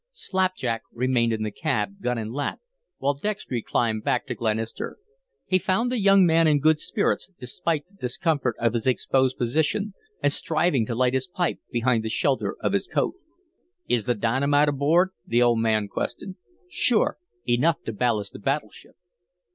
Slapjack remained in the cab, gun in lap, while Dextry climbed back to Glenister. He found the young man in good spirits, despite the discomfort of his exposed position, and striving to light his pipe behind the shelter of his coat. "Is the dynamite aboard?" the old man questioned. "Sure. Enough to ballast a battle ship."